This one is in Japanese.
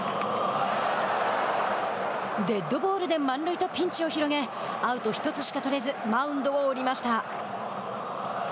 デッドボールで満塁とピンチを広げアウト１つしか取れずマウンドを降りました。